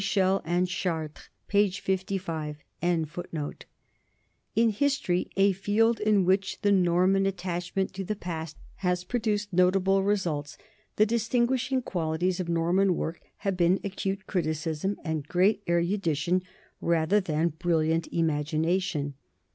l In history, a field in which the Norman attachment to the past has pro duced notable results, the distinguishing qualities of Norman work have been acute criticism and great erudition rather than brilliant imagination.